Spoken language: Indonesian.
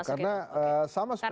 karena sama seperti